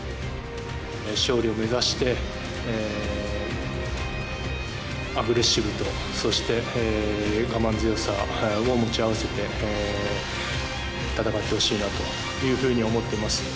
勝利を目指してアグレッシブとそして、我慢強さを持ち合わせて戦ってほしいなというふうに思ってます。